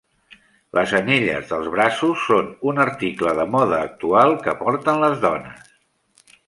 Les anelles dels braços són un article de moda actual que porten les dones.